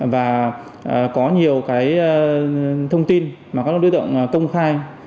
và có nhiều thông tin mà các đối tượng công khai